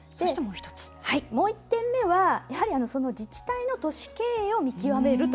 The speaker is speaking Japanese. もう１点目は、やはり自治体の都市経営を見極めると。